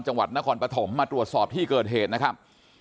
จังหวัดนครปฐมมาตรวจสอบที่เกิดเหตุนะครับ